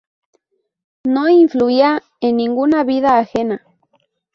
No influía en ninguna vida ajena.